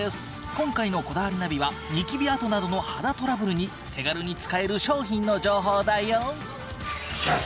今回の『こだわりナビ』はニキビ跡などの肌トラブルに手軽に使える商品の情報だよ。